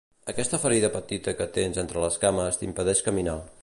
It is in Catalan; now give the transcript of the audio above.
Aquesta ferida petita que tens entre les cames t'impedeix caminar.